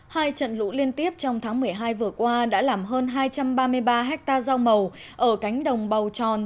hai trận lũ liên tiếp trong tháng một mươi hai vừa qua đã làm hơn hai trăm ba mươi ba hectare rau màu ở cánh đồng bầu tròn